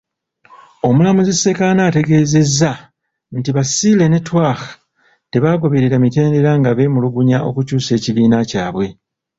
Omulamuzi Ssekaana ategeezezza nti Basile ne Twaha tebagoberera mitendera nga beemulugunya okukyusa ekibiina kyabwe.